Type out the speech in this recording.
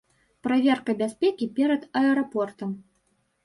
Праверка бяспекі перад аэрапортам.